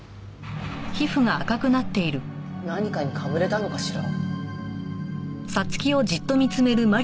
何かにかぶれたのかしら？